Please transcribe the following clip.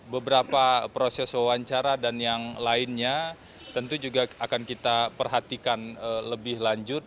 beberapa proses wawancara dan yang lainnya tentu juga akan kita perhatikan lebih lanjut